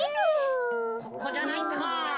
ここじゃないか。